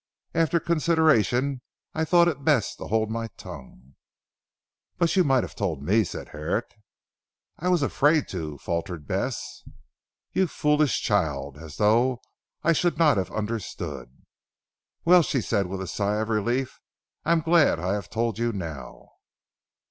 After consideration I thought it best to hold my tongue." "But you might have told me," said Herrick. "I was afraid to," faltered Bess. "You foolish child, as though I should not have understood!" "Well," she said with a sigh of relief, "I am glad I have told you now."